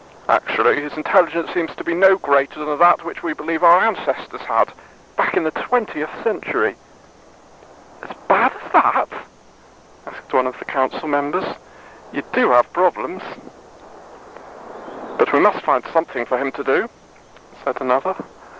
"Actually, his intelligence seems to be no greater than that which we believe our ancestors had, back in the twentieth century." "As bad as that?" observed one of the council members. "You do have a problem." "But we must find something for him to do," said another.